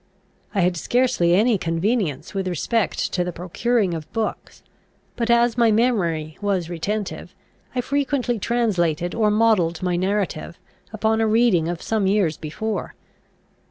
I had scarcely any convenience with respect to the procuring of books; but, as my memory was retentive, I frequently translated or modelled my narrative upon a reading of some years before.